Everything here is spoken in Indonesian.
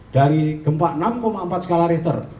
dari gempa enam empat skala richter